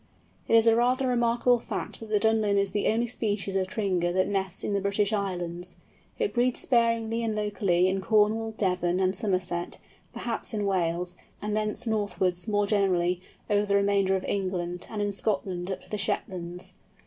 It is a rather remarkable fact that the Dunlin is the only species of Tringa that nests in the British Islands. It breeds sparingly and locally in Cornwall, Devon, and Somerset, perhaps in Wales, and thence northwards, more generally, over the remainder of England, and in Scotland up to the Shetlands.